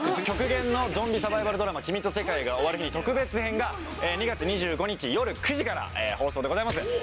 極限のゾンビサバイバルドラマ『君と世界が終わる日に』特別編が２月２５日夜９時から放送でございます。